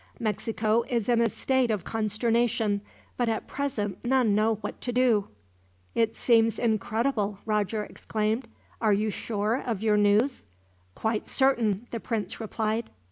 Mexico is in a state of consternation, but at present none know what to do." "It seems incredible," Roger exclaimed. "Are you sure of your news?" "Quite certain," the prince replied.